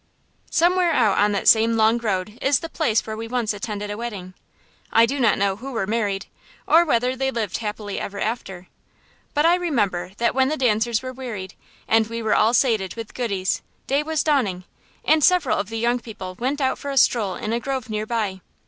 Somewhere out on that same Long Road is the place where we once attended a wedding. I do not know who were married, or whether they lived happily ever after; but I remember that when the dancers were wearied, and we were all sated with goodies, day was dawning, and several of the young people went out for a stroll in a grove near by.